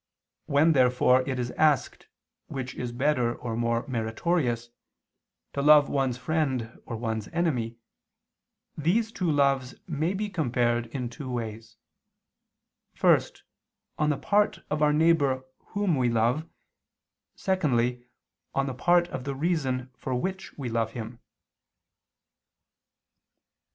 When therefore it is asked which is better or more meritorious, to love one's friend or one's enemy, these two loves may be compared in two ways, first, on the part of our neighbor whom we love, secondly, on the part of the reason for which we love him.